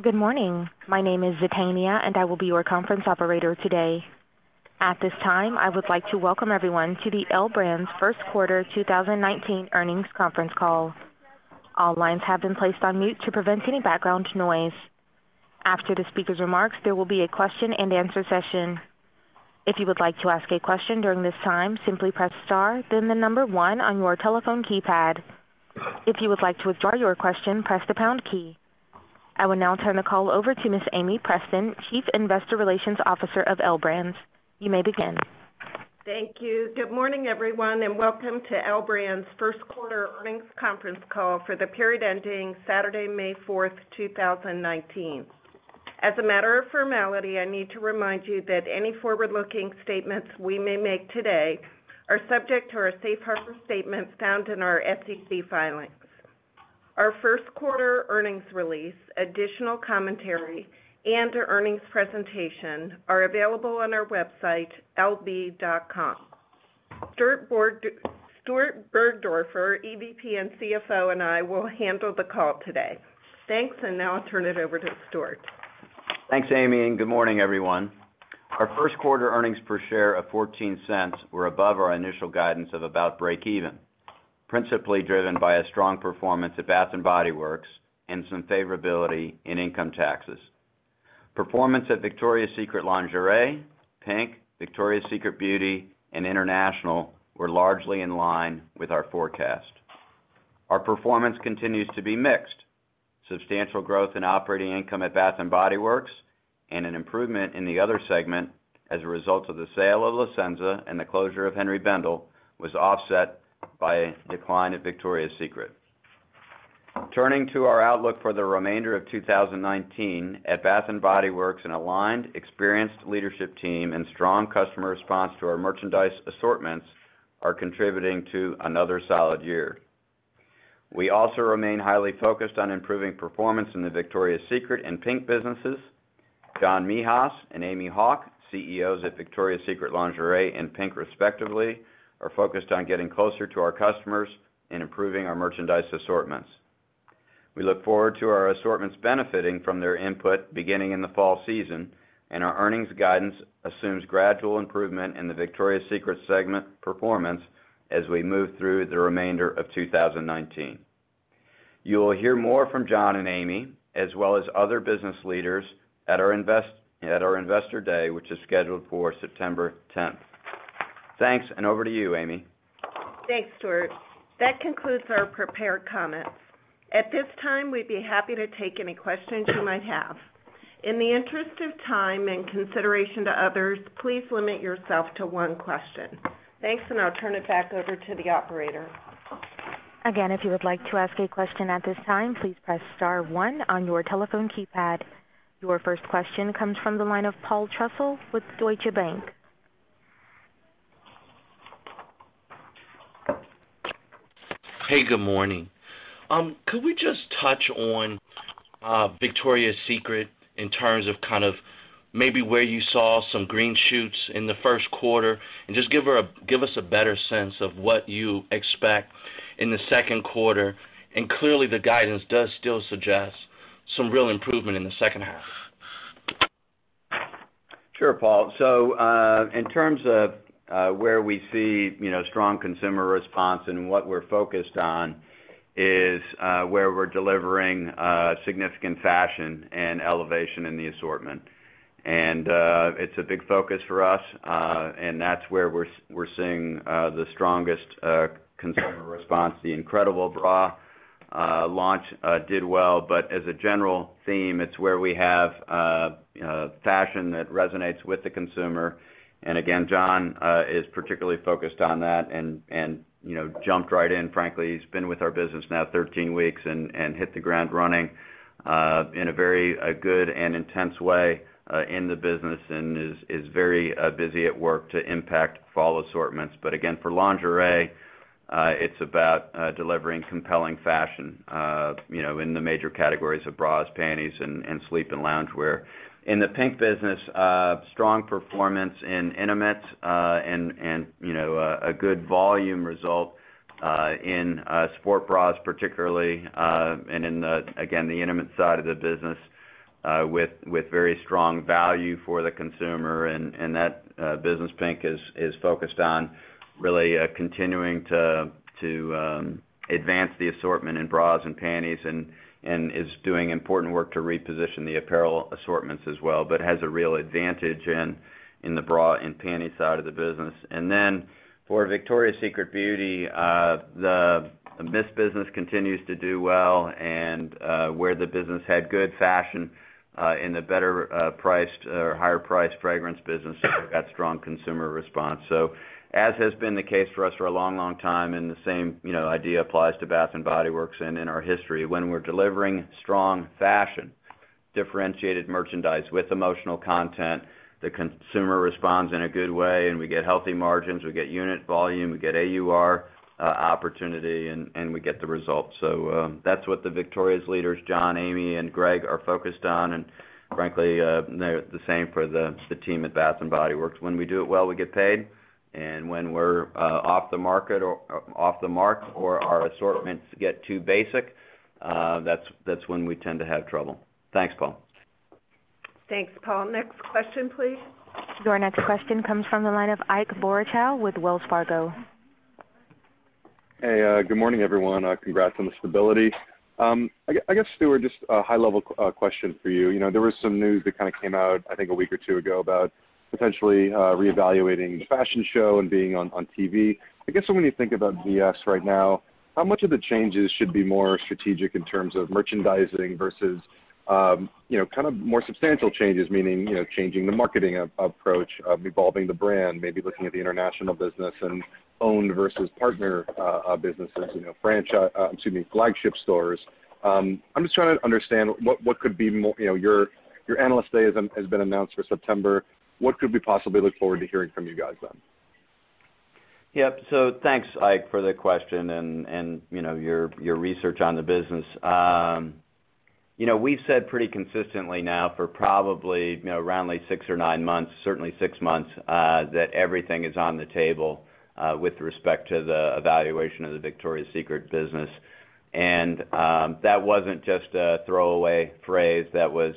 Good morning. My name is Zatania, and I will be your conference operator today. At this time, I would like to welcome everyone to the L Brands first quarter 2019 earnings conference call. All lines have been placed on mute to prevent any background noise. After the speaker's remarks, there will be a question and answer session. If you would like to ask a question during this time, simply press star, then the number one on your telephone keypad. If you would like to withdraw your question, press the pound key. I will now turn the call over to Ms. Amie Preston, Chief Investor Relations Officer of L Brands. You may begin. Thank you. Good morning, everyone, and welcome to L Brands first quarter earnings conference call for the period ending Saturday, May 4th, 2019. As a matter of formality, I need to remind you that any forward-looking statements we may make today are subject to our safe harbor statements found in our SEC filings. Our first quarter earnings release, additional commentary, and earnings presentation are available on our website, lb.com. Stuart Burgdoerfer, EVP and CFO, and I will handle the call today. Thanks, and now I'll turn it over to Stuart. Thanks, Amie, and good morning, everyone. Our first quarter earnings per share of $0.14 were above our initial guidance of about break-even, principally driven by a strong performance of Bath & Body Works and some favorability in income taxes. Performance at Victoria's Secret Lingerie, PINK, Victoria's Secret Beauty, and International were largely in line with our forecast. Our performance continues to be mixed. Substantial growth in operating income at Bath & Body Works and an improvement in the Other segment as a result of the sale of La Senza and the closure of Henri Bendel was offset by a decline at Victoria's Secret. Turning to our outlook for the remainder of 2019, at Bath & Body Works, an aligned, experienced leadership team and strong customer response to our merchandise assortments are contributing to another solid year. We also remain highly focused on improving performance in the Victoria's Secret and PINK businesses. John Mehas and Amy Hauk, CEOs at Victoria's Secret Lingerie and PINK, respectively, are focused on getting closer to our customers and improving our merchandise assortments. We look forward to our assortments benefiting from their input beginning in the fall season, and our earnings guidance assumes gradual improvement in the Victoria's Secret segment performance as we move through the remainder of 2019. You will hear more from John and Amy, as well as other business leaders, at our Investor Day, which is scheduled for September 10th. Thanks, and over to you, Amie. Thanks, Stuart. That concludes our prepared comments. At this time, we'd be happy to take any questions you might have. In the interest of time and consideration to others, please limit yourself to one question. Thanks, and I'll turn it back over to the operator. Again, if you would like to ask a question at this time, please press star one on your telephone keypad. Your first question comes from the line of Paul Trussell with Deutsche Bank. Hey, good morning. Could we just touch on Victoria's Secret in terms of kind of maybe where you saw some green shoots in the first quarter and just give us a better sense of what you expect in the second quarter? And clearly, the guidance does still suggest some real improvement in the second half. Sure, Paul. So in terms of where we see strong consumer response, and what we're focused on is where we're delivering significant fashion and elevation in the assortment. And it's a big focus for us, and that's where we're seeing the strongest consumer response. The Incredible Bra launch did well, but as a general theme, it's where we have fashion that resonates with the consumer. And again, John is particularly focused on that and jumped right in, frankly. He's been with our business now 13 weeks and hit the ground running in a very good and intense way in the business and is very busy at work to impact fall assortments. But again, for lingerie, it's about delivering compelling fashion in the major categories of bras, panties, and sleep and loungewear. In the PINK business, strong performance in intimates and a good volume result in sports bras, particularly, and in, again, the intimate side of the business with very strong value for the consumer. And that business, PINK, is focused on really continuing to advance the assortment in bras and panties and is doing important work to reposition the apparel assortments as well, but has a real advantage in the bra and panties side of the business. And then for Victoria's Secret Beauty, the mist business continues to do well, and where the business had good fashion in the better-priced or higher-priced fragrance business, it got strong consumer response. So as has been the case for us for a long, long time, and the same idea applies to Bath & Body Works and in our history. When we're delivering strong fashion, differentiated merchandise with emotional content, the consumer responds in a good way, and we get healthy margins, we get unit volume, we get AUR opportunity, and we get the results. So that's what the Victoria's leaders, John, Amy, and Greg, are focused on, and frankly, the same for the team at Bath & Body Works. When we do it well, we get paid, and when we're off the market or our assortments get too basic, that's when we tend to have trouble. Thanks, Paul. Thanks, Paul. Next question, please. Your next question comes from the line of Ike Boruchow with Wells Fargo. Hey, good morning, everyone. Congrats on the stability. I guess, Stuart, just a high-level question for you. There was some news that kind of came out, I think, a week or two ago about potentially reevaluating the fashion show and being on TV. I guess when you think about VS right now, how much of the changes should be more strategic in terms of merchandising versus kind of more substantial changes, meaning changing the marketing approach, evolving the brand, maybe looking at the international business and owned versus partner businesses, flagship stores? I'm just trying to understand what could be your analyst day has been announced for September. What could we possibly look forward to hearing from you guys on? Yep. So thanks, Ike, for the question and your research on the business. We've said pretty consistently now for probably around six or nine months, certainly six months, that everything is on the table with respect to the evaluation of the Victoria's Secret business. And that wasn't just a throwaway phrase. That was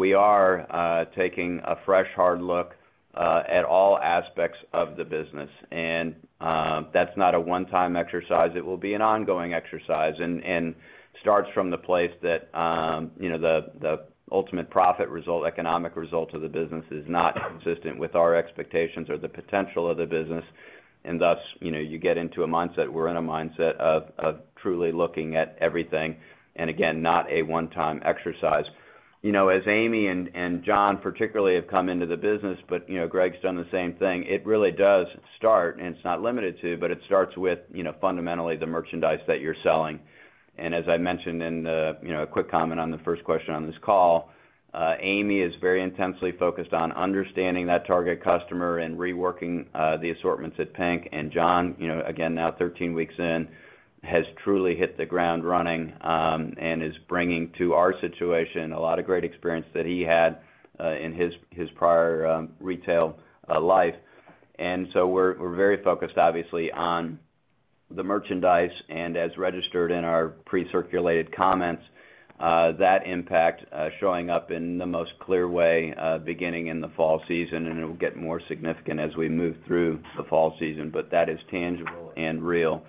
we are taking a fresh, hard look at all aspects of the business, and that's not a one-time exercise. It will be an ongoing exercise and starts from the place that the ultimate profit result, economic result of the business is not consistent with our expectations or the potential of the business, and thus you get into a mindset. We're in a mindset of truly looking at everything and, again, not a one-time exercise. As Amy and John particularly have come into the business, but Greg's done the same thing, it really does start, and it's not limited to, but it starts with fundamentally the merchandise that you're selling, and as I mentioned in a quick comment on the first question on this call, Amy is very intensely focused on understanding that target customer and reworking the assortments at PINK. And John, again, now 13 weeks in, has truly hit the ground running and is bringing to our situation a lot of great experience that he had in his prior retail life, and so we're very focused, obviously, on the merchandise, and as registered in our pre-circulated comments, that impact showing up in the most clear way beginning in the fall season, and it will get more significant as we move through the fall season, but that is tangible and real.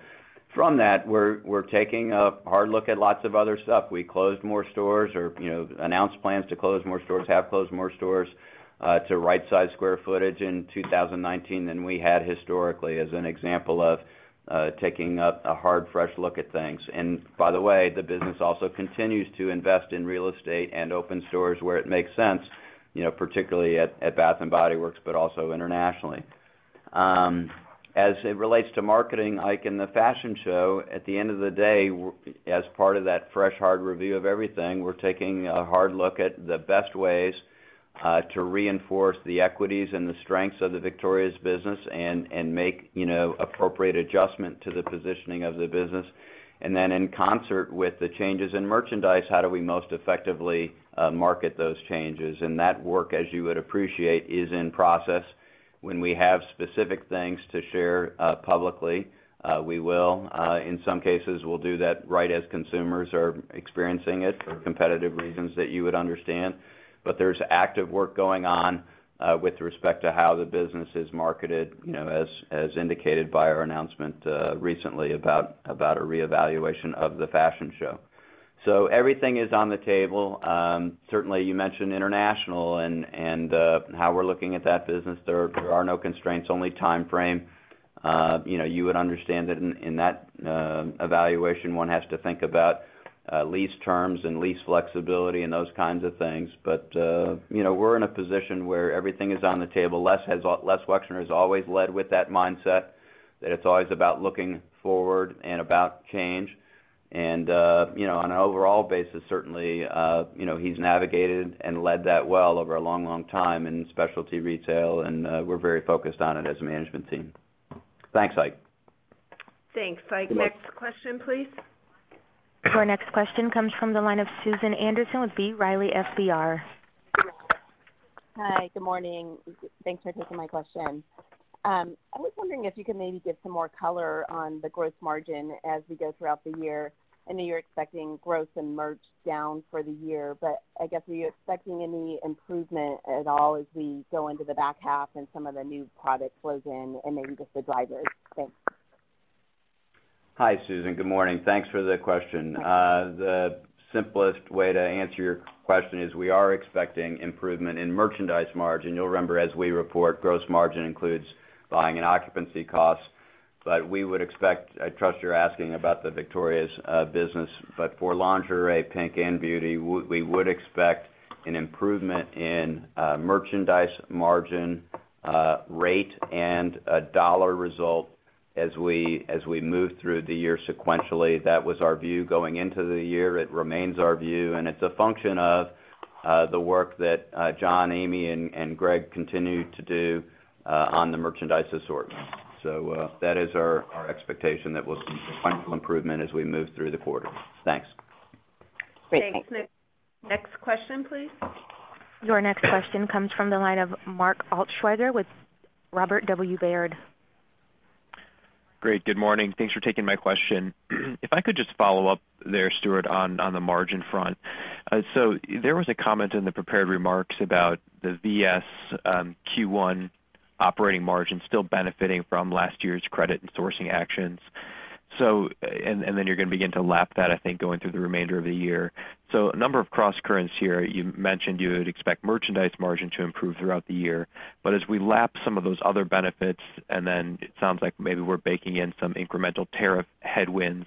From that, we're taking a hard look at lots of other stuff. We closed more stores or announced plans to close more stores, have closed more stores to right-size square footage in 2019 than we had historically as an example of taking a hard, fresh look at things, and by the way, the business also continues to invest in real estate and open stores where it makes sense, particularly at Bath & Body Works, but also internationally. As it relates to marketing, Ike, in the fashion show, at the end of the day, as part of that fresh, hard review of everything, we're taking a hard look at the best ways to reinforce the equities and the strengths of the Victoria's business and make appropriate adjustment to the positioning of the business, and then in concert with the changes in merchandise, how do we most effectively market those changes? That work, as you would appreciate, is in process. When we have specific things to share publicly, we will. In some cases, we'll do that right as consumers are experiencing it for competitive reasons that you would understand. There's active work going on with respect to how the business is marketed, as indicated by our announcement recently about a reevaluation of the fashion show. Everything is on the table. Certainly, you mentioned international and how we're looking at that business. There are no constraints, only time frame. You would understand that in that evaluation, one has to think about lease terms and lease flexibility and those kinds of things. We're in a position where everything is on the table. Les Wexner has always led with that mindset that it's always about looking forward and about change. On an overall basis, certainly, he's navigated and led that well over a long, long time in specialty retail, and we're very focused on it as a management team. Thanks, Ike. Thanks, Ike. Next question, please. Your next question comes from the line of Susan Anderson with B. Riley FBR. Hi, good morning. Thanks for taking my question. I was wondering if you could maybe give some more color on the gross margin as we go throughout the year. I know you're expecting growth and merch down for the year, but I guess are you expecting any improvement at all as we go into the back half and some of the new product flows in and maybe just the drivers? Thanks. Hi, Susan. Good morning. Thanks for the question. The simplest way to answer your question is we are expecting improvement in merchandise margin. You'll remember as we report, gross margin includes buying and occupancy costs, but we would expect, I trust you're asking about the Victoria's business, but for lingerie, PINK, and beauty, we would expect an improvement in merchandise margin rate and a dollar result as we move through the year sequentially. That was our view going into the year. It remains our view, and it's a function of the work that John, Amy, and Greg continue to do on the merchandise assortment. So that is our expectation that we'll see sequential improvement as we move through the quarter. Thanks. Thanks. Next question, please. Your next question comes from the line of Mark Altschwager with Robert W. Baird. Great. Good morning. Thanks for taking my question. If I could just follow up there, Stuart, on the margin front, so there was a comment in the prepared remarks about the VS Q1 operating margin still benefiting from last year's credit and sourcing actions, and then you're going to begin to lap that, I think, going through the remainder of the year, so a number of cross currents here. You mentioned you would expect merchandise margin to improve throughout the year, but as we lap some of those other benefits, and then it sounds like maybe we're baking in some incremental tariff headwinds,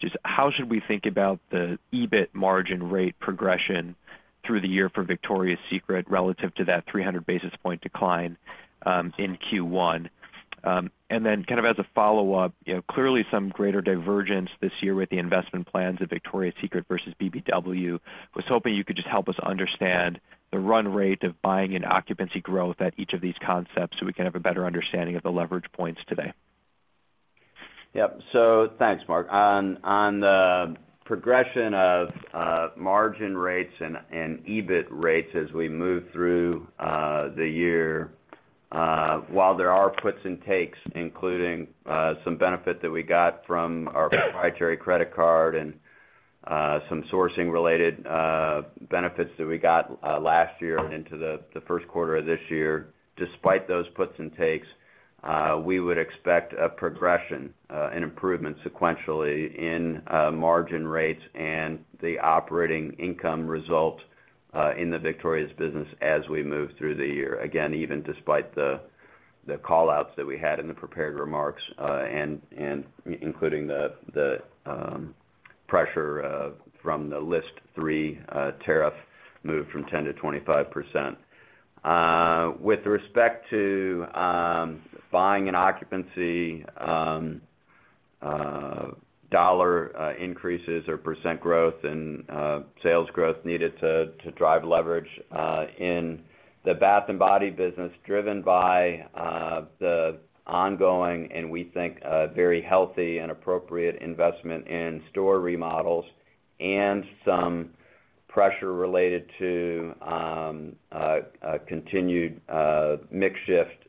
just how should we think about the EBIT margin rate progression through the year for Victoria's Secret relative to that 300 basis point decline in Q1? And then kind of as a follow-up, clearly some greater divergence this year with the investment plans of Victoria's Secret versus BBW. I was hoping you could just help us understand the run rate of buying and occupancy growth at each of these concepts so we can have a better understanding of the leverage points today. Yep. So thanks, Mark. On the progression of margin rates and EBIT rates as we move through the year, while there are puts and takes, including some benefit that we got from our proprietary credit card and some sourcing-related benefits that we got last year and into the first quarter of this year, despite those puts and takes, we would expect a progression and improvement sequentially in margin rates and the operating income result in the Victoria's business as we move through the year. Again, even despite the callouts that we had in the prepared remarks, including the pressure from the List 3 tariff move from 10% to 25%. With respect to buying and occupancy dollar increases or percent growth and sales growth needed to drive leverage in the Bath & Body business, driven by the ongoing and we think very healthy and appropriate investment in store remodels and some pressure related to continued mix shift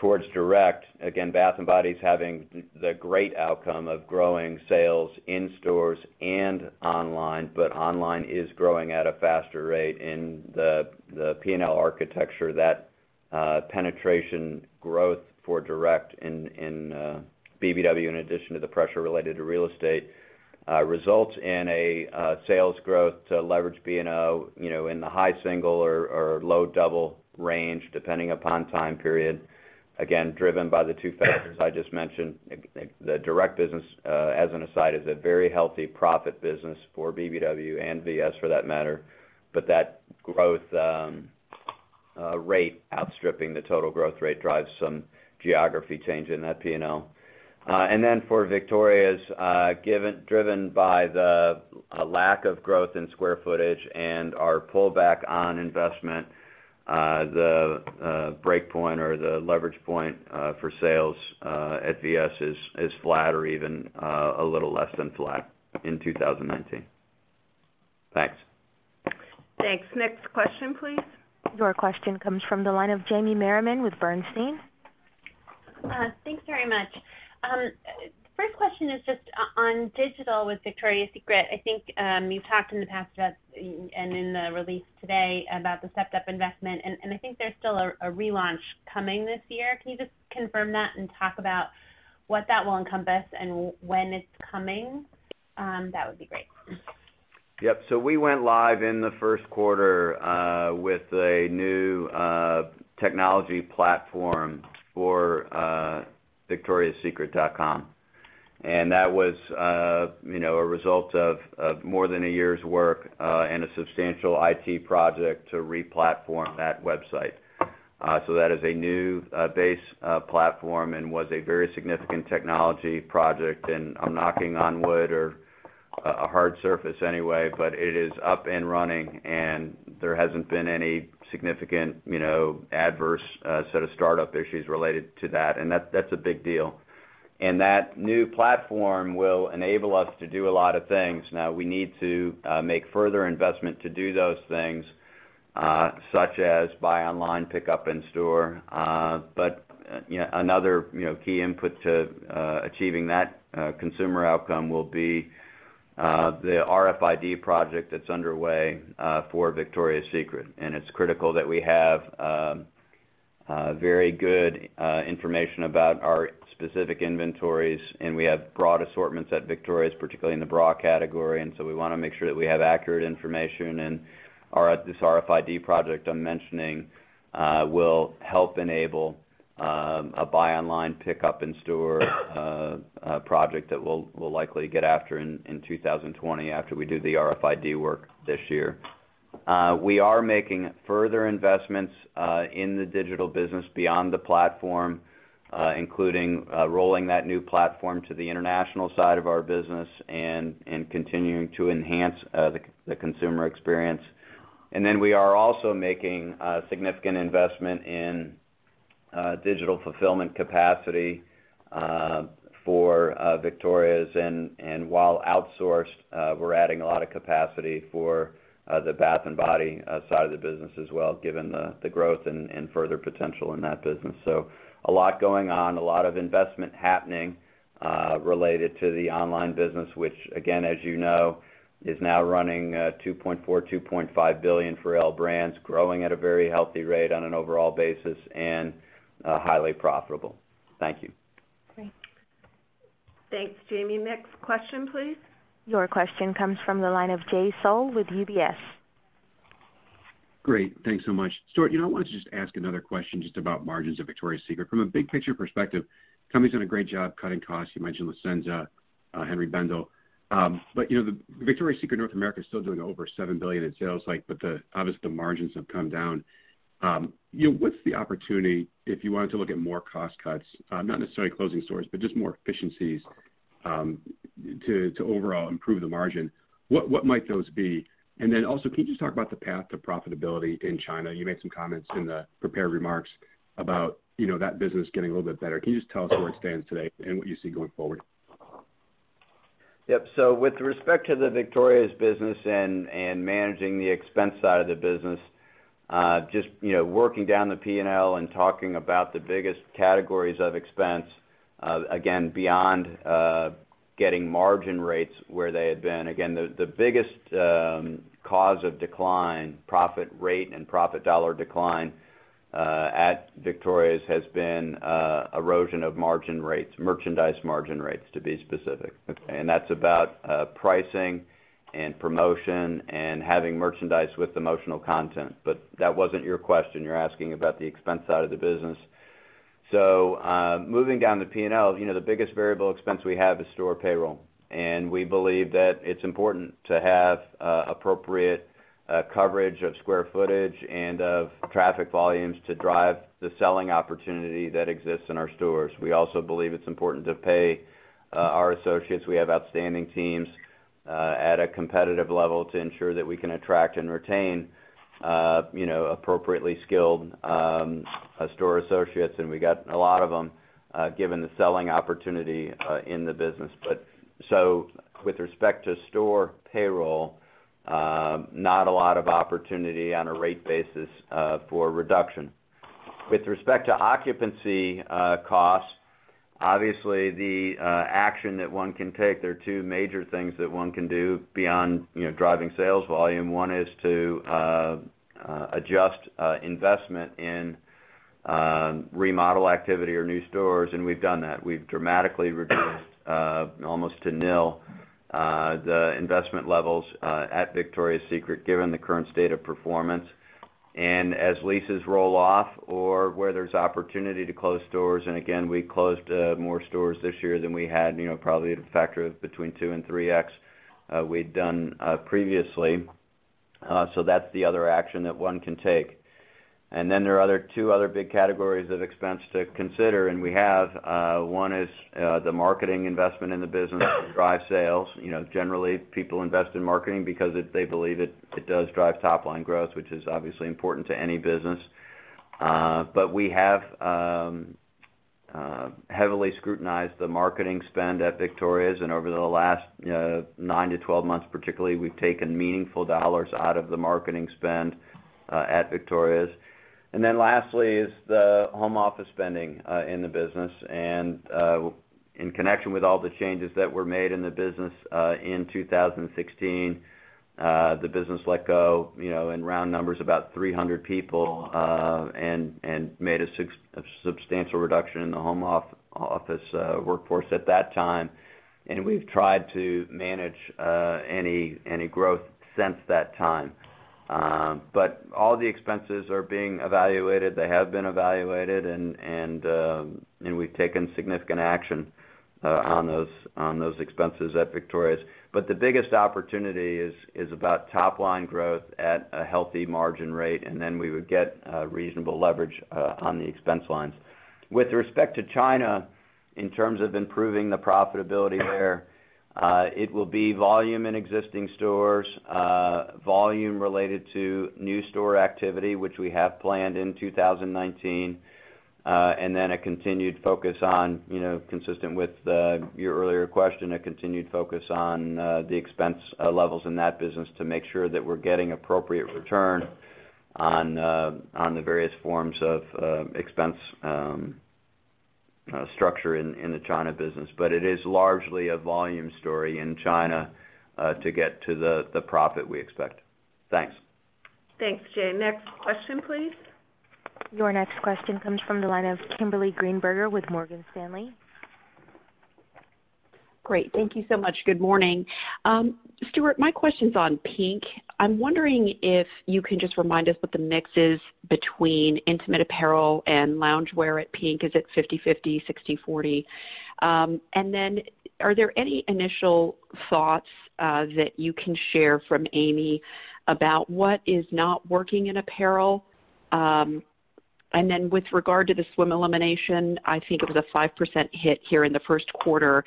towards direct. Again, Bath & Body's having the great outcome of growing sales in stores and online, but online is growing at a faster rate in the P&L architecture. That penetration growth for direct in BBW, in addition to the pressure related to real estate, results in a sales growth to leverage B&O in the high single or low double range, depending upon time period. Again, driven by the two factors I just mentioned, the direct business, as an aside, is a very healthy profit business for BBW and VS for that matter, but that growth rate, outstripping the total growth rate, drives some geography change in that B&O. And then for Victoria's, driven by the lack of growth in square footage and our pullback on investment, the breakpoint or the leverage point for sales at VS is flat or even a little less than flat in 2019. Thanks. Thanks. Next question, please. Your question comes from the line of Jamie Merriman with Bernstein. Thanks very much. First question is just on digital with Victoria's Secret. I think you've talked in the past and in the release today about the stepped-up investment, and I think there's still a relaunch coming this year. Can you just confirm that and talk about what that will encompass and when it's coming? That would be great. Yep, so we went live in the first quarter with a new technology platform for victoriassecret.com, and that was a result of more than a year's work and a substantial IT project to replatform that website. So that is a new base platform and was a very significant technology project, and I'm knocking on wood or a hard surface anyway, but it is up and running, and there hasn't been any significant adverse set of startup issues related to that, and that's a big deal, and that new platform will enable us to do a lot of things. Now, we need to make further investment to do those things, such as buy online, pick up in store. But another key input to achieving that consumer outcome will be the RFID project that's underway for Victoria's Secret, and it's critical that we have very good information about our specific inventories, and we have broad assortments at Victoria's, particularly in the bra category. And so we want to make sure that we have accurate information, and this RFID project I'm mentioning will help enable a buy online, pick up in store project that we'll likely get after it in 2020 after we do the RFID work this year. We are making further investments in the digital business beyond the platform, including rolling that new platform to the international side of our business and continuing to enhance the consumer experience. And then we are also making a significant investment in digital fulfillment capacity for Victoria's, and while outsourced, we're adding a lot of capacity for the Bath & Body side of the business as well, given the growth and further potential in that business. So a lot going on, a lot of investment happening related to the online business, which, again, as you know, is now running $2.4-$2.5 billion for L Brands, growing at a very healthy rate on an overall basis and highly profitable. Thank you. Thanks, Jamie. Next question, please. Your question comes from the line of Jay Sole with UBS. Great. Thanks so much. Stuart, I wanted to just ask another question just about margins at Victoria's Secret. From a big picture perspective, companies doing a great job cutting costs. You mentioned La Senza, Henri Bendel. But Victoria's Secret North America is still doing over $7 billion in sales, but obviously the margins have come down. What's the opportunity, if you wanted to look at more cost cuts, not necessarily closing stores, but just more efficiencies to overall improve the margin? And then also, can you just talk about the path to profitability in China? You made some comments in the prepared remarks about that business getting a little bit better. Can you just tell us where it stands today and what you see going forward? Yep. So with respect to the Victoria's business and managing the expense side of the business, just working down the P&L and talking about the biggest categories of expense, again, beyond getting margin rates where they had been. Again, the biggest cause of decline, profit rate and profit dollar decline at Victoria's has been erosion of margin rates, merchandise margin rates, to be specific. And that's about pricing and promotion and having merchandise with emotional content. But that wasn't your question. You're asking about the expense side of the business. So moving down the P&L, the biggest variable expense we have is store payroll, and we believe that it's important to have appropriate coverage of square footage and of traffic volumes to drive the selling opportunity that exists in our stores. We also believe it's important to pay our associates. We have outstanding teams at a competitive level to ensure that we can attract and retain appropriately skilled store associates, and we got a lot of them given the selling opportunity in the business, but so with respect to store payroll, not a lot of opportunity on a rate basis for reduction. With respect to occupancy costs, obviously the action that one can take, there are two major things that one can do beyond driving sales volume. One is to adjust investment in remodel activity or new stores, and we've done that. We've dramatically reduced almost to nil the investment levels at Victoria's Secret given the current state of performance, and as leases roll off or where there's opportunity to close stores, and again, we closed more stores this year than we had, probably a factor of between 2 and 3x we'd done previously. So that's the other action that one can take, and then there are two other big categories of expense to consider, and we have. One is the marketing investment in the business to drive sales. Generally, people invest in marketing because they believe it does drive top-line growth, which is obviously important to any business, but we have heavily scrutinized the marketing spend at Victoria's, and over the last nine to 12 months particularly, we've taken meaningful dollars out of the marketing spend at Victoria's, and then lastly is the home office spending in the business, and in connection with all the changes that were made in the business in 2016, the business let go in round numbers about 300 people and made a substantial reduction in the home office workforce at that time, and we've tried to manage any growth since that time. But all the expenses are being evaluated. They have been evaluated, and we've taken significant action on those expenses at Victoria's. But the biggest opportunity is about top-line growth at a healthy margin rate, and then we would get reasonable leverage on the expense lines. With respect to China, in terms of improving the profitability there, it will be volume in existing stores, volume related to new store activity, which we have planned in 2019, and then a continued focus on, consistent with your earlier question, a continued focus on the expense levels in that business to make sure that we're getting appropriate return on the various forms of expense structure in the China business. But it is largely a volume story in China to get to the profit we expect. Thanks. Thanks, Jay. Next question, please. Your next question comes from the line of Kimberly Greenberger with Morgan Stanley. Great. Thank you so much. Good morning. Stuart, my question's on Pink. I'm wondering if you can just remind us what the mix is between intimate apparel and loungewear at Pink. Is it 50/50, 60/40? And then are there any initial thoughts that you can share from Amie about what is not working in apparel? And then with regard to the swim elimination, I think it was a 5% hit here in the first quarter.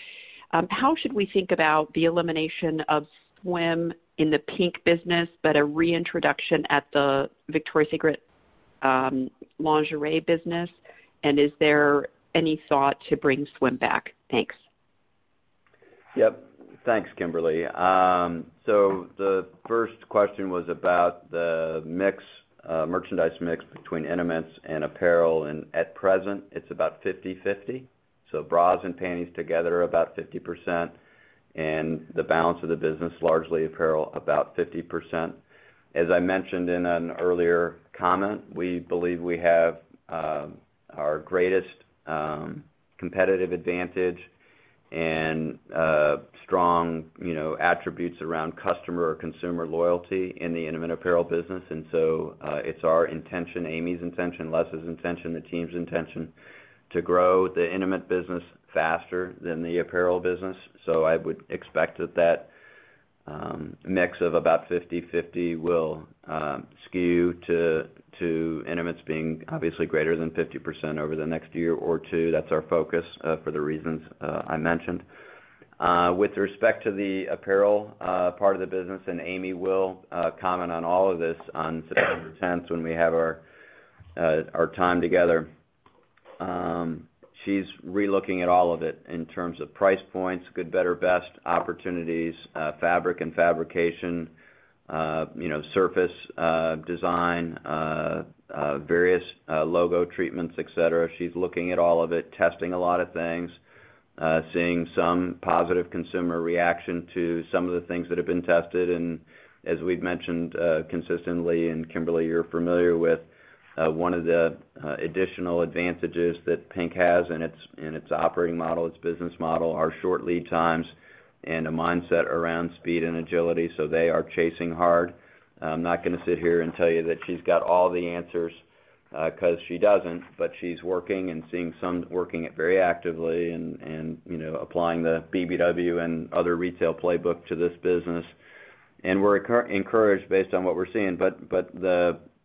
How should we think about the elimination of swim in the Pink business, but a reintroduction at the Victoria's Secret Lingerie business? And is there any thought to bring swim back? Thanks. Yep. Thanks, Kimberly. So the first question was about the merchandise mix between intimates and apparel. And at present, it's about 50/50. So bras and panties together are about 50%, and the balance of the business, largely apparel, about 50%. As I mentioned in an earlier comment, we believe we have our greatest competitive advantage and strong attributes around customer or consumer loyalty in the intimate apparel business. And so it's our intention, Amy's intention, Les' intention, the team's intention, to grow the intimate business faster than the apparel business. So I would expect that that mix of about 50/50 will skew to intimates being obviously greater than 50% over the next year or two. That's our focus for the reasons I mentioned. With respect to the apparel part of the business, And Amy will comment on all of this on September 10th when we have our time together. She's relooking at all of it in terms of price points, good, better, best opportunities, fabric and fabrication, surface design, various logo treatments, etc. She's looking at all of it, testing a lot of things, seeing some positive consumer reaction to some of the things that have been tested. And as we've mentioned consistently, and Kimberly, you're familiar with, one of the additional advantages that PINK has in its operating model, its business model, are short lead times and a mindset around speed and agility. So they are chasing hard. I'm not going to sit here and tell you that she's got all the answers because she doesn't, but she's working and seeing some working very actively and applying the BBW and other retail playbook to this business. And we're encouraged based on what we're seeing, but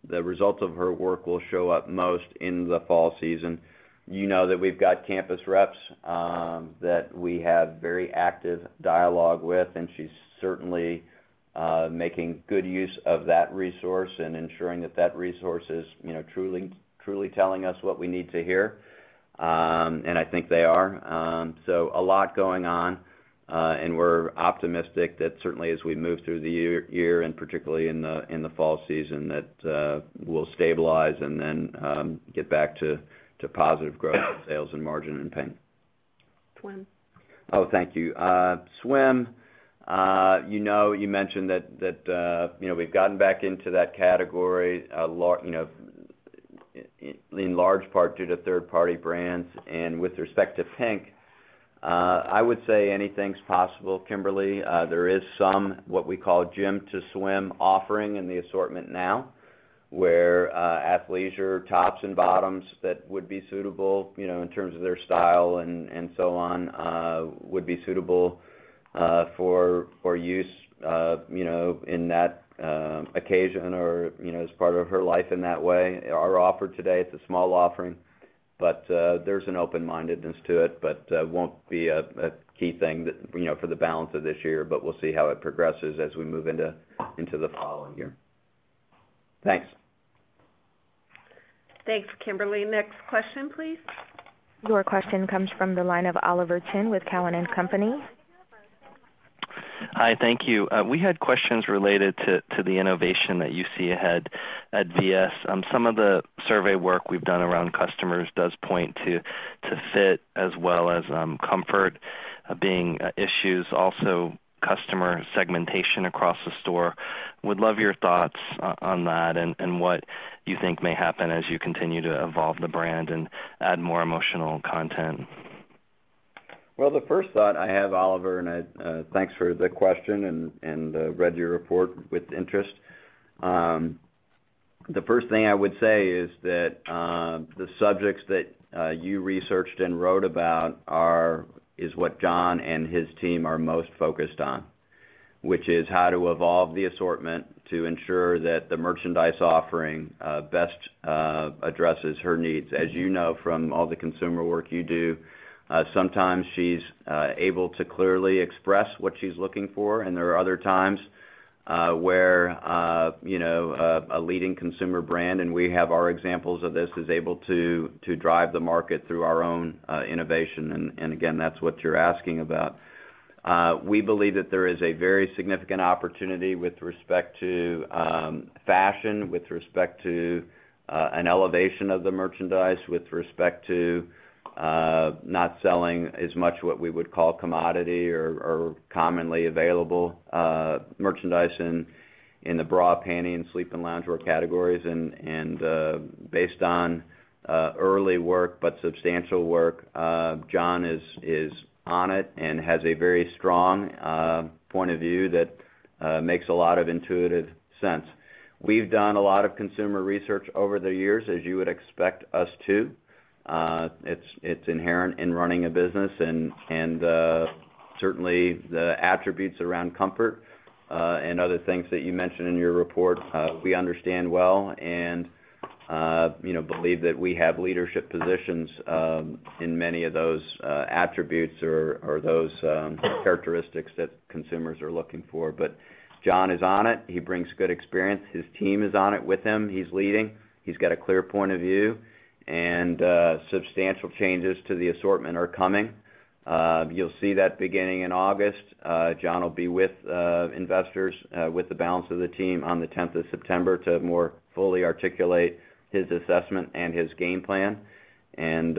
the results of her work will show up most in the fall season. You know that we've got campus reps that we have very active dialogue with, and she's certainly making good use of that resource and ensuring that that resource is truly telling us what we need to hear. And I think they are. So a lot going on, and we're optimistic that certainly as we move through the year and particularly in the fall season that we'll stabilize and then get back to positive growth in sales and margin in PINK. Swim. Oh, thank you. Swim, you mentioned that we've gotten back into that category in large part due to third-party brands. And with respect to PINK, I would say anything's possible, Kimberly. There is some what we call Gym-to-Swim offering in the assortment now where athleisure tops and bottoms that would be suitable in terms of their style and so on would be suitable for use in that occasion or as part of her life in that way. Our offer today, it's a small offering, but there's an open-mindedness to it. But it won't be a key thing for the balance of this year, but we'll see how it progresses as we move into the following year. Thanks. Thanks, Kimberly. Next question, please. Your question comes from the line of Oliver Chen with Cowen and Company. Hi, thank you. We had questions related to the innovation that you see ahead at VS. Some of the survey work we've done around customers does point to fit as well as comfort being issues, also customer segmentation across the store. Would love your thoughts on that and what you think may happen as you continue to evolve the brand and add more emotional content. The first thought I have, Oliver, and thanks for the question and read your report with interest. The first thing I would say is that the subjects that you researched and wrote about is what John and his team are most focused on, which is how to evolve the assortment to ensure that the merchandise offering best addresses her needs. As you know from all the consumer work you do, sometimes she's able to clearly express what she's looking for, and there are other times where a leading consumer brand, and we have our examples of this, is able to drive the market through our own innovation. Again, that's what you're asking about. We believe that there is a very significant opportunity with respect to fashion, with respect to an elevation of the merchandise, with respect to not selling as much what we would call commodity or commonly available merchandise in the bra, panties, and sleep and loungewear categories, and based on early work but substantial work, John is on it and has a very strong point of view that makes a lot of intuitive sense. We've done a lot of consumer research over the years, as you would expect us to. It's inherent in running a business, and certainly the attributes around comfort and other things that you mentioned in your report, we understand well and believe that we have leadership positions in many of those attributes or those characteristics that consumers are looking for, but John is on it. He brings good experience. His team is on it with him. He's leading. He's got a clear point of view, and substantial changes to the assortment are coming. You'll see that beginning in August. John will be with investors, with the balance of the team on the 10th of September to more fully articulate his assessment and his game plan. And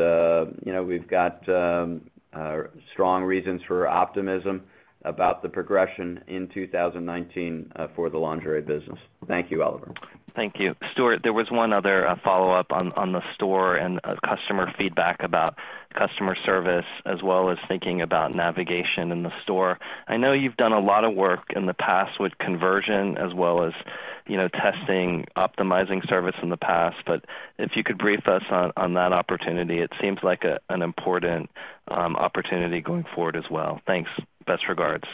we've got strong reasons for optimism about the progression in 2019 for the lingerie business. Thank you, Oliver. Thank you. Stuart, there was one other follow-up on the store and customer feedback about customer service as well as thinking about navigation in the store. I know you've done a lot of work in the past with conversion as well as testing, optimizing service in the past, but if you could brief us on that opportunity, it seems like an important opportunity going forward as well. Thanks. Best regards.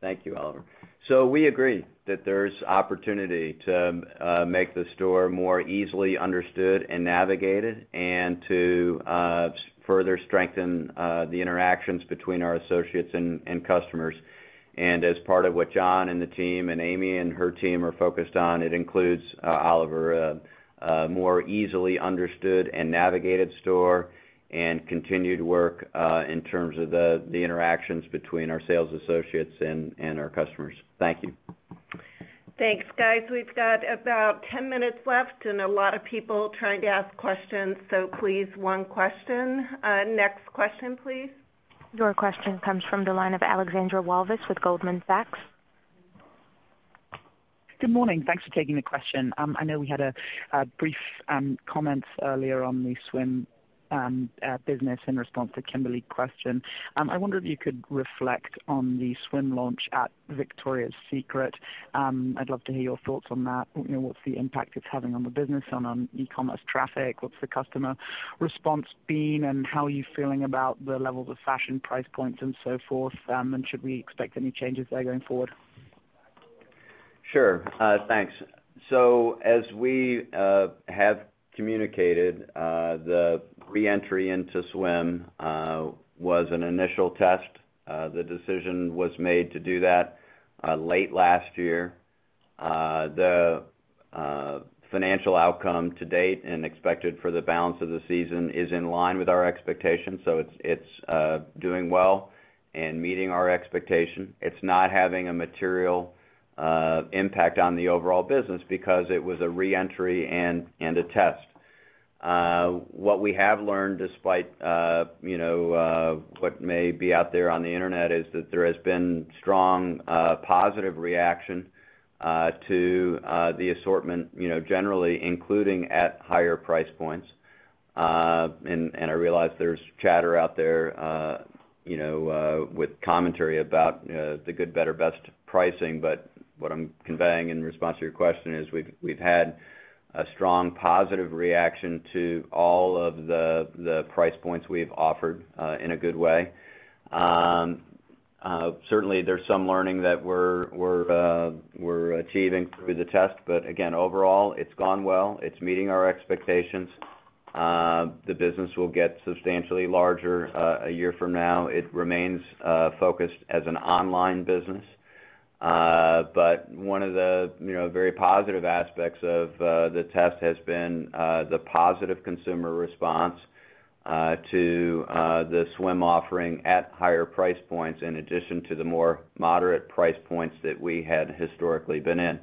Thank you, Oliver. So we agree that there's opportunity to make the store more easily understood and navigated and to further strengthen the interactions between our associates and customers. And as part of what John and the team and Amy and her team are focused on, it includes, Oliver, a more easily understood and navigated store and continued work in terms of the interactions between our sales associates and our customers. Thank you. Thanks, guys. We've got about 10 minutes left and a lot of people trying to ask questions. So please, one question. Next question, please. Your question comes from the line of Alexandra Walvis with Goldman Sachs. Good morning. Thanks for taking the question. I know we had brief comments earlier on the swim business in response to Kimberly's question. I wonder if you could reflect on the swim launch at Victoria's Secret. I'd love to hear your thoughts on that. What's the impact it's having on the business and on e-commerce traffic? What's the customer response been and how are you feeling about the levels of fashion, price points, and so forth? And should we expect any changes there going forward? Sure. Thanks, so as we have communicated, the re-entry into swim was an initial test. The decision was made to do that late last year. The financial outcome to date and expected for the balance of the season is in line with our expectations. So it's doing well and meeting our expectation. It's not having a material impact on the overall business because it was a re-entry and a test. What we have learned, despite what may be out there on the internet, is that there has been strong positive reaction to the assortment generally, including at higher price points, and I realize there's chatter out there with commentary about the good, better, best pricing, but what I'm conveying in response to your question is we've had a strong positive reaction to all of the price points we've offered in a good way. Certainly, there's some learning that we're achieving through the test. But again, overall, it's gone well. It's meeting our expectations. The business will get substantially larger a year from now. It remains focused as an online business. But one of the very positive aspects of the test has been the positive consumer response to the swim offering at higher price points in addition to the more moderate price points that we had historically been in.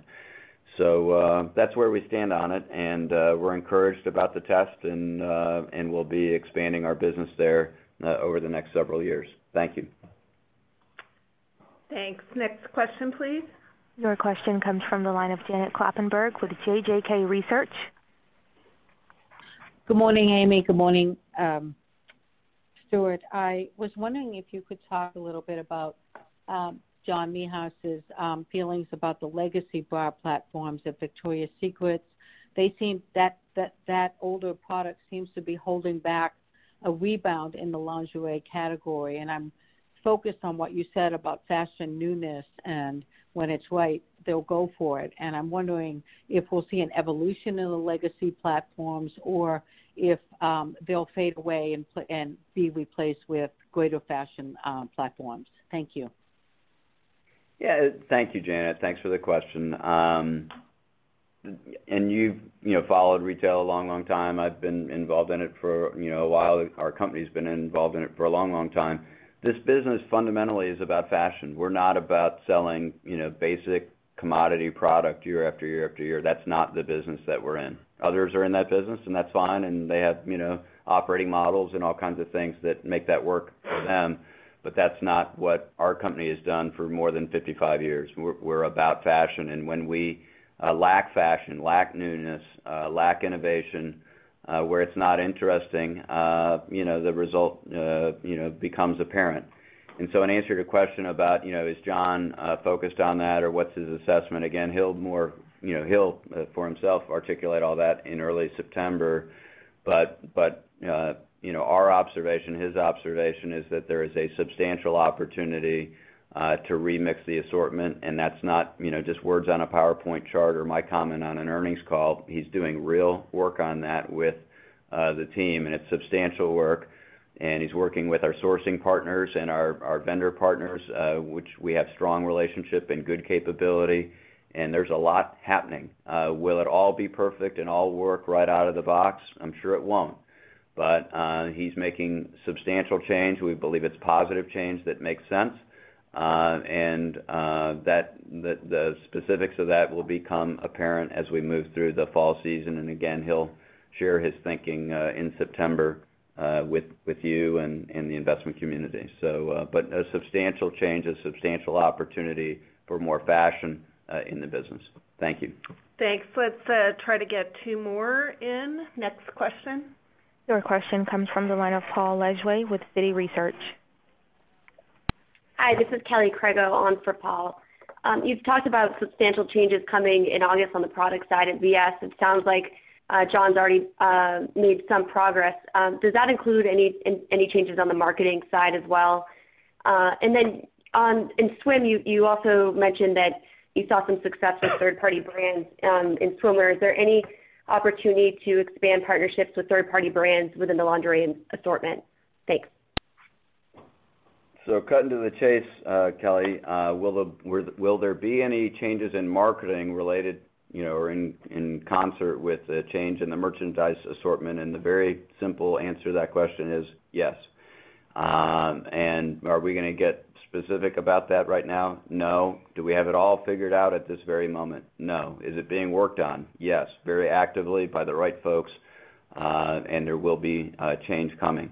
So that's where we stand on it, and we're encouraged about the test and will be expanding our business there over the next several years. Thank you. Thanks. Next question, please. Your question comes from the line of Janet Kloppenberg with JJK Research. Good morning, Amie. Good morning, Stuart. I was wondering if you could talk a little bit about John Mehas's feelings about the legacy bra platforms at Victoria's Secret. That older product seems to be holding back a rebound in the lingerie category. And I'm focused on what you said about fashion newness, and when it's right, they'll go for it. And I'm wondering if we'll see an evolution in the legacy platforms or if they'll fade away and be replaced with greater fashion platforms. Thank you. Yeah. Thank you, Janet. Thanks for the question. And you've followed retail a long, long time. I've been involved in it for a while. Our company's been involved in it for a long, long time. This business fundamentally is about fashion. We're not about selling basic commodity product year after year after year. That's not the business that we're in. Others are in that business, and that's fine. And they have operating models and all kinds of things that make that work for them. But that's not what our company has done for more than 55 years. We're about fashion. And when we lack fashion, lack newness, lack innovation, where it's not interesting, the result becomes apparent. And so in answer to your question about is John focused on that or what's his assessment, again, he'll more he'll for himself articulate all that in early September. But our observation, his observation, is that there is a substantial opportunity to remix the assortment. And that's not just words on a PowerPoint chart or my comment on an earnings call. He's doing real work on that with the team, and it's substantial work. And he's working with our sourcing partners and our vendor partners, which we have a strong relationship and good capability. And there's a lot happening. Will it all be perfect and all work right out of the box? I'm sure it won't. But he's making substantial change. We believe it's positive change that makes sense. And the specifics of that will become apparent as we move through the fall season. And again, he'll share his thinking in September with you and the investment community. But a substantial change, a substantial opportunity for more fashion in the business. Thank you. Thanks. Let's try to get two more in. Next question. Your question comes from the line of Paul Lejuez with Citi Research. Hi, this is Kelly Crago on for Paul. You've talked about substantial changes coming in August on the product side at VS. It sounds like John's already made some progress. Does that include any changes on the marketing side as well? And then in swim, you also mentioned that you saw some success with third-party brands in swimwear. Is there any opportunity to expand partnerships with third-party brands within the lingerie assortment? Thanks. So cutting to the chase, Kelly, will there be any changes in marketing related or in concert with the change in the merchandise assortment? And the very simple answer to that question is yes. And are we going to get specific about that right now? No. Do we have it all figured out at this very moment? No. Is it being worked on? Yes. Very actively by the right folks, and there will be a change coming.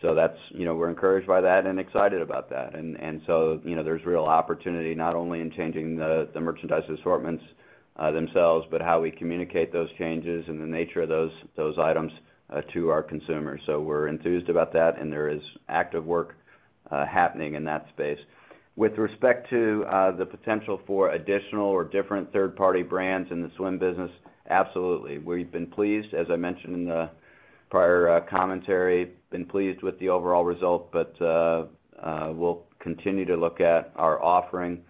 So we're encouraged by that and excited about that. And so there's real opportunity not only in changing the merchandise assortments themselves, but how we communicate those changes and the nature of those items to our consumers. So we're enthused about that, and there is active work happening in that space. With respect to the potential for additional or different third-party brands in the swim business, absolutely. We've been pleased, as I mentioned in the prior commentary, with the overall result, but we'll continue to look at our offering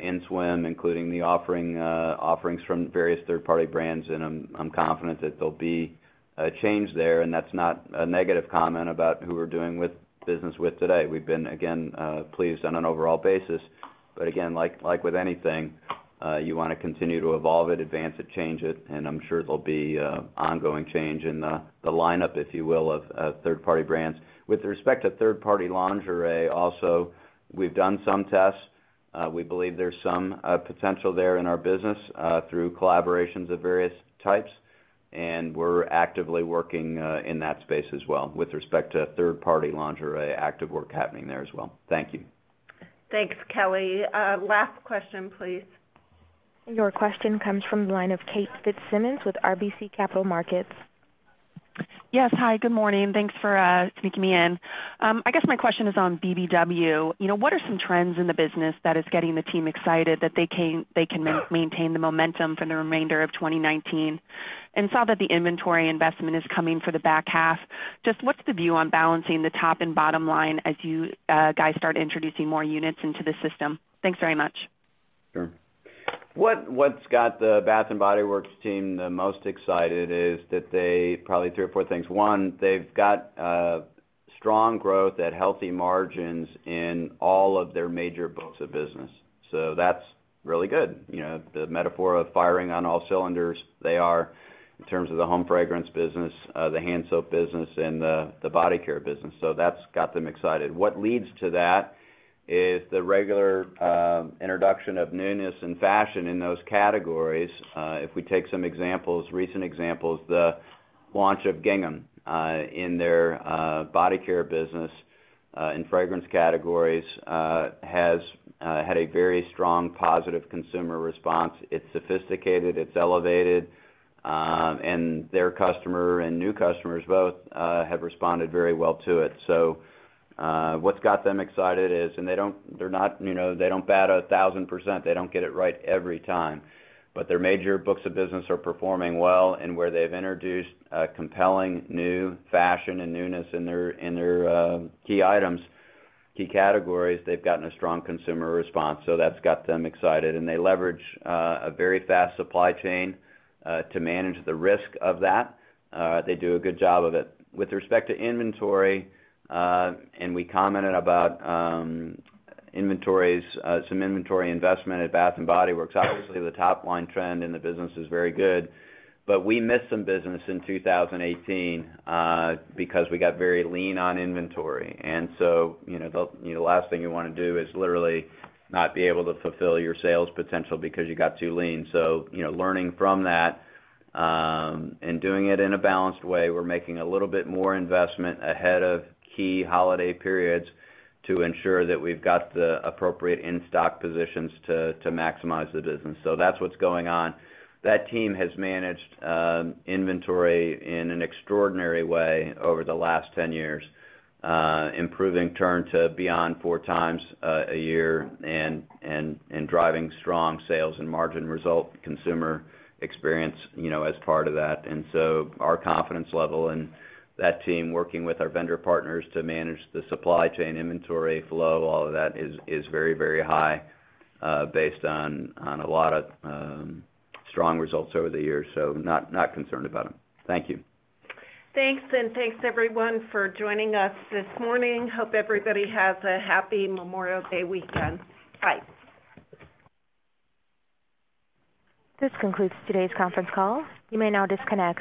in swim, including the offerings from various third-party brands. And I'm confident that there'll be a change there. And that's not a negative comment about who we're doing business with today. We've been, again, pleased on an overall basis. But again, like with anything, you want to continue to evolve it, advance it, change it. And I'm sure there'll be ongoing change in the lineup, if you will, of third-party brands. With respect to third-party lingerie, also, we've done some tests. We believe there's some potential there in our business through collaborations of various types. And we're actively working in that space as well with respect to third-party lingerie, active work happening there as well. Thank you. Thanks, Kelly. Last question, please. Your question comes from the line of Kate Fitzsimmons with RBC Capital Markets. Yes. Hi, good morning. Thanks for sneaking me in. I guess my question is on BBW. What are some trends in the business that is getting the team excited that they can maintain the momentum for the remainder of 2019? I saw that the inventory investment is coming for the back half. Just what's the view on balancing the top and bottom line as you guys start introducing more units into the system? Thanks very much. Sure. What's got the Bath & Body Works team the most excited is that they probably three or four things. One, they've got strong growth at healthy margins in all of their major books of business. So that's really good. The metaphor of firing on all cylinders, they are in terms of the home fragrance business, the hand soap business, and the body care business. So that's got them excited. What leads to that is the regular introduction of newness and fashion in those categories. If we take some examples, recent examples, the launch of Gingham in their body care business in fragrance categories has had a very strong positive consumer response. It's sophisticated. It's elevated. And their customer and new customers both have responded very well to it. So what's got them excited is, and they're not bad at 1,000%. They don't get it right every time. Their major books of business are performing well. Where they've introduced compelling new fashion and newness in their key items, key categories, they've gotten a strong consumer response. That's got them excited. They leverage a very fast supply chain to manage the risk of that. They do a good job of it. With respect to inventory, we commented about some inventory investment at Bath & Body Works. Obviously, the top-line trend in the business is very good. We missed some business in 2018 because we got very lean on inventory. The last thing you want to do is literally not be able to fulfill your sales potential because you got too lean. Learning from that and doing it in a balanced way, we're making a little bit more investment ahead of key holiday periods to ensure that we've got the appropriate in-stock positions to maximize the business. So that's what's going on. That team has managed inventory in an extraordinary way over the last 10 years, improving turn to beyond four times a year and driving strong sales and margin result consumer experience as part of that. Our confidence level in that team working with our vendor partners to manage the supply chain inventory flow, all of that is very, very high based on a lot of strong results over the years. Not concerned about them. Thank you. Thanks. Thanks, everyone, for joining us this morning. Hope everybody has a happy Memorial Day weekend. Bye. This concludes today's conference call. You may now disconnect.